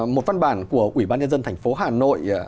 một văn bản của ủy ban nhân dân thành phố hà nội